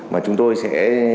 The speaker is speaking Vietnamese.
mà chúng tôi sẽ